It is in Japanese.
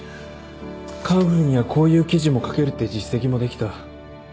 『カンフル』にはこういう記事も書けるって実績もできた。